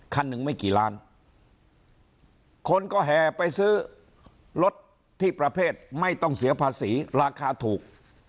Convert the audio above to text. คันหนึ่งไม่กี่ล้านคนก็แห่ไปซื้อรถที่ประเภทไม่ต้องเสียภาษีราคาถูก